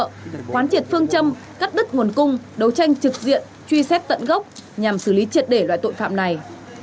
quán triệt phương châm cắt đứt nguồn cung đấu tranh trực diện truy xét tận gốc nhằm xử lý triệt để loại tội phạm này